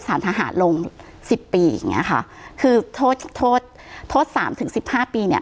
สารทหารลงสิบปีอย่างเงี้ยค่ะคือโทษโทษโทษโทษสามถึงสิบห้าปีเนี้ย